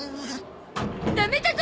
ダメだゾ！